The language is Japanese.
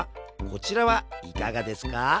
こちらはいかがですか？